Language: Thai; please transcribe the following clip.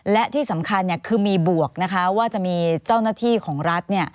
และที่สำคัญคือมีบวกนะคะว่าจะมีเจ้าหน้าที่ของรัฐ